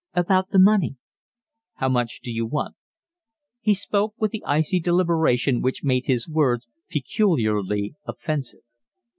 "About the money." "How much d'you want?" He spoke with an icy deliberation which made his words peculiarly offensive.